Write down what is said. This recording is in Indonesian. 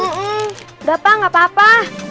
udah pak gak papa